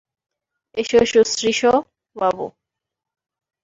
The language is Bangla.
এসো এসো শ্রীশবাবু!